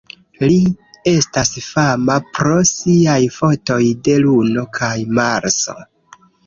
Li estas fama pro siaj fotoj de Luno kaj Marso.